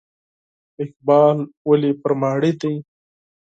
اقبال ولې مرور دی ؟